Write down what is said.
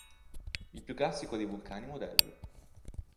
Il più classico dei vulcani modello.